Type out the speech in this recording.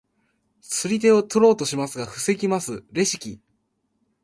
釣り手を取ろうとしますが防ぎますレシキ。